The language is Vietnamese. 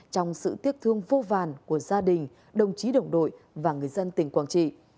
trong sự tiếc thương vô vàn của gia đình đồng chí đồng đội và người dân tỉnh quảng trị